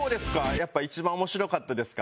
やっぱ一番面白かったですか？